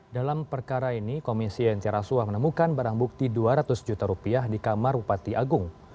dalam perkara ini komisi antirasuah menemukan barang bukti dua ratus juta rupiah di kamar bupati agung